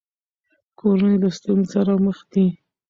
کورنۍ له ستونزو سره مخ دي.